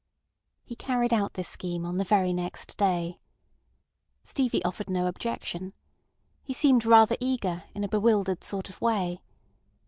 He carried out this scheme on the very next day. Stevie offered no objection. He seemed rather eager, in a bewildered sort of way.